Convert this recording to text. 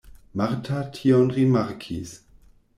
Marta tion rimarkis.